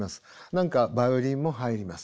何かバイオリンも入ります。